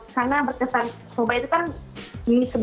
karena berkesan soba itu kan sebuah mie yang panjang gitu ya